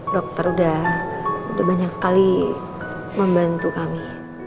dokter udah banyak sekali membantu kami